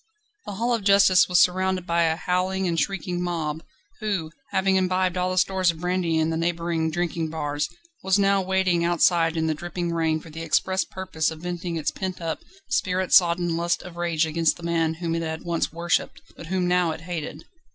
The Hall of Justice was surrounded by a howling and shrieking mob, who, having imbibed all the stores of brandy in the neighbouring drinking bars, was now waiting outside in the dripping rain for the express purpose of venting its pent up, spirit sodden lust of rage against the man whom it had once worshipped, but whom now it hated.